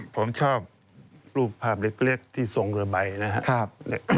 ผมชอบรูปภาพเล็กที่ทรงเรือใบนะครับ